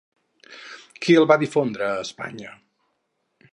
Qui el va difondre a Espanya?